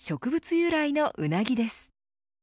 由来のうなぎです。